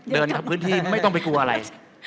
เดินครับพื้นที่ไม่ต้องไปกลัวอะไร